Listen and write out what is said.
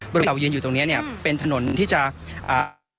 เมื่อเราหยินอยู่ตรงเนี้ยอืมเป็นถนนที่จะอ่า